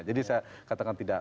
jadi saya katakan tidak